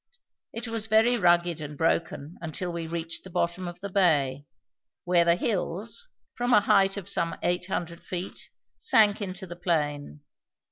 It was very rugged and broken until we reached the bottom of the bay, where the hills, from a height of some eight hundred feet, sank into the plain.